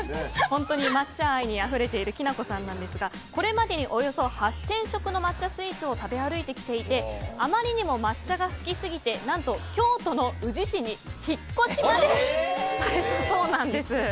本当に抹茶愛にあふれているきな子さんなんですがこれまでにおよそ８０００食の抹茶スイーツを食べ歩いてきていてあまりにも抹茶が好きすぎて何と、京都の宇治市に引っ越したそうなんです。